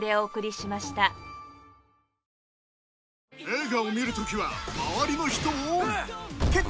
映画を見る時は周りの人を